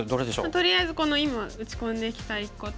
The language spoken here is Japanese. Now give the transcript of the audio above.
とりあえずこの今打ち込んできた１個と。